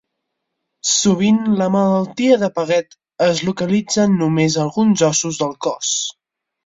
Sovint la malaltia de Paget es localitza en només alguns ossos del cos.